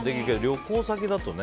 旅行先だとね。